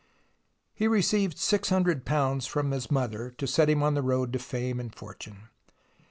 He received ;^6oo from his mother, to set him on the road to fame and fortune.